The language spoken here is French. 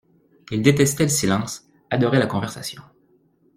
Il détestait le silence, adorait la conversation.